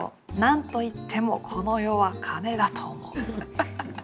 「なんと言ってもこの世は金だと思う」。